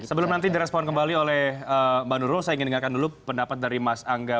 sebelum nanti direspon kembali oleh mbak nurul saya ingin dengarkan dulu pendapat dari mas angga